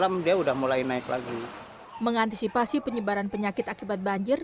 mengantisipasi penyebaran penyakit akibat banjir